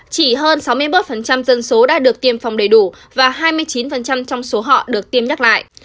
chỉ hơn sáu mươi một dân số đã được tiêm phòng đầy đủ và hai mươi chín trong số họ được tiêm nhắc lại